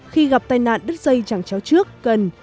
khi gặp tai nạn đứt dây chẳng chéo trước cần